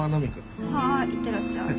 はーいいってらっしゃい。